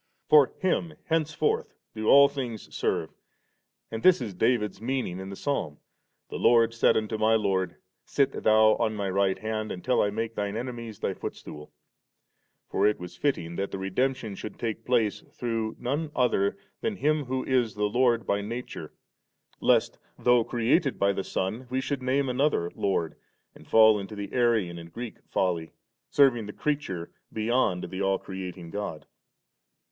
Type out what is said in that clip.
For Him henceforth do all things serve, and this b David's meaning in the Psalm, * The Lord said unto my Lord, Sit Thou on My right hand» until I make Thine enemies Thy footstool V For it was fitting that the redemption should take place through none other than Him who is the Lord by nature, lest^ though created by the Son, we should name another Lord, and fall into the Arian and Greek folly, serving the creature beyond the all creating God^ 15.